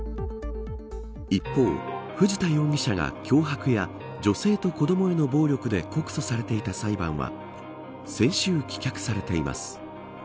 一方、藤田容疑者が脅迫や女性と子どもへの暴力で告訴されていた裁判は先週、棄却されています。